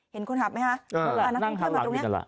เห็นคนขับไหมคะนักท่องเที่ยวมาตรงนี้